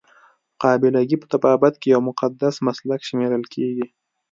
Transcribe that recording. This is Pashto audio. قابله ګي په طبابت کې یو مقدس مسلک شمیرل کیږي.